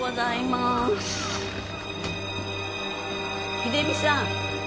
秀実さん。